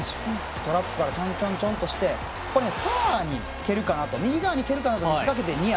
トラップからちょんちょんとしてここ、ファーに蹴るかな右側に蹴るかと見せかけてニア。